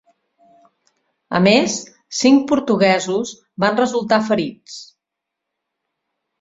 A més, cinc portuguesos van resultar ferits.